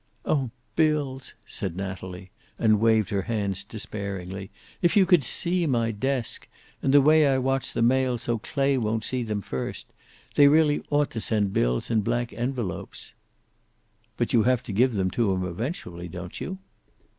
"Oh, bills!" said Natalie, and waved her hands despairingly. "If you could see my desk! And the way I watch the mail so Clay won't see them first. They really ought to send bills in blank envelopes." "But you have to give them to him eventually, don't you?"